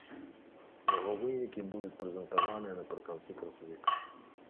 Яго вынікі будуць прэзентаваныя напрыканцы красавіка.